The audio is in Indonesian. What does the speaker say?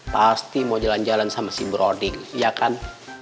pasti mau jalan jalan sama si broding iya kan